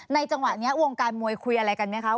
จังหวะนี้วงการมวยคุยอะไรกันไหมคะ